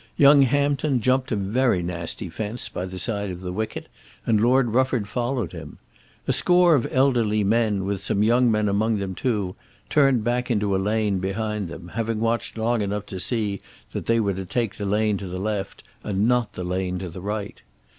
Young Hampton jumped a very nasty fence by the side of the wicket, and Lord Rufford followed him. A score of elderly men, with some young men among them too, turned back into a lane behind them, having watched long enough to see that they were to take the lane to the left, and not the lane to the right.